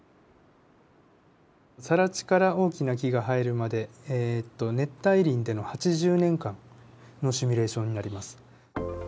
さら地から大きな木が生えるまで熱帯林での８０年間のシミュレーションになります。